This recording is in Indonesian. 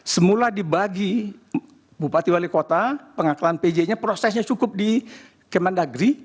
semula dibagi bupati wali kota pengaklan pj nya prosesnya cukup di kemendagri